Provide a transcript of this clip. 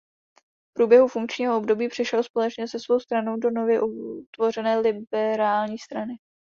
V průběhu funkčního období přešel společně se svou stranou do nově utvořené Liberální strany.